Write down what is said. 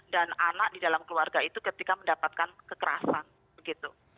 dan anak di dalam keluarga itu ketika mendapatkan kekerasan gitu